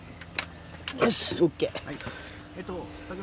よしＯＫ！